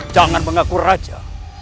jangan mengaku raja